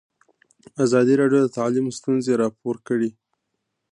ازادي راډیو د تعلیم ستونزې راپور کړي.